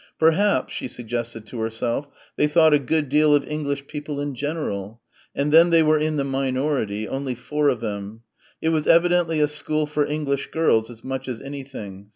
Perhaps, she suggested to herself, they thought a good deal of English people in general; and then they were in the minority, only four of them; it was evidently a school for English girls as much as anything